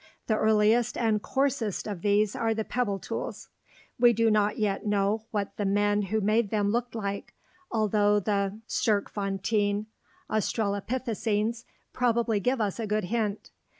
The earliest and coarsest of these are the pebble tools. We do not yet know what the men who made them looked like, although the Sterkfontein australopithecines probably give us a good hint.